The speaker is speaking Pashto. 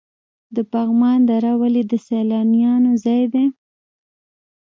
د پغمان دره ولې د سیلانیانو ځای دی؟